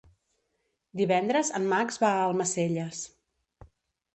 Divendres en Max va a Almacelles.